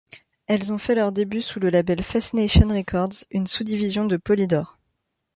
Elles ont fait leurs débuts sous le label Fascination Records, une sous-division de Polydor.